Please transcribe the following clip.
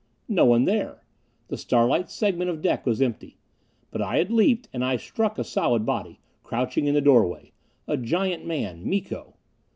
No one there! The starlit segment of deck was empty. But I had leaped, and I struck a solid body, crouching in the doorway. A giant man. Miko!